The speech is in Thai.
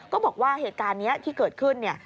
ก็บอกว่าเหตุการณ์นี้ที่เกิดขึ้นเนี่ย